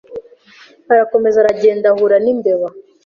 " Arakomeza aragenda ahura n' imbeba,